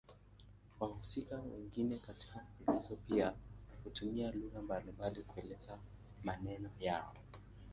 Wahusika wengine katika mfululizo pia hutumia lugha mbalimbali kuelezea maneno yao.